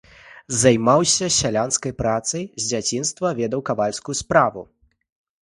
Займаўся сялянскай працай, з дзяцінства ведаў кавальскую справу.